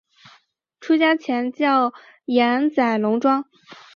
出家前叫岩仔龙庄。